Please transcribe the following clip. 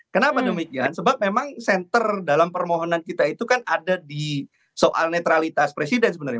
kenapa demikian sebab memang senter dalam permohonan kita itu kan ada di soal netralitas presiden sebenarnya